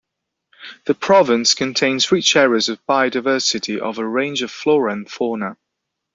The province contains rich areas of biodiversity of a range of flora and fauna.